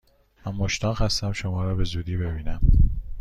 من مشتاق هستم شما را به زودی ببینم!